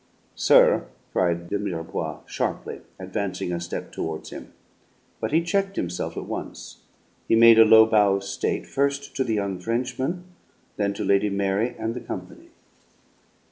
"Sir!" cried de Mirepoix sharply, advancing a step towards him; but he checked himself at once. He made a low bow of state, first to the young Frenchman, then to Lady Mary and the company.